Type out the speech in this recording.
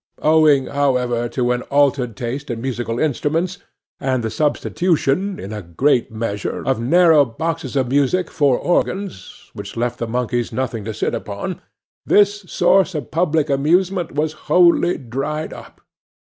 Owing, however, to an altered taste in musical instruments, and the substitution, in a great measure, of narrow boxes of music for organs, which left the monkeys nothing to sit upon, this source of public amusement was wholly dried up.